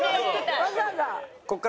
わざわざ。